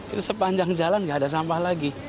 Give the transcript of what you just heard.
itu sepanjang jalan nggak ada sampah lagi